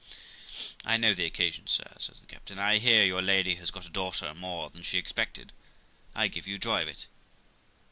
'I know the occasion, sir', says the captain; 'I hear your lady has got a daughter more than she expected ; I give you joy of it.'